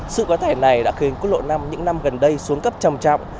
sự có thể này đã khiến quốc lộ năm những năm gần đây xuống cấp trầm trọng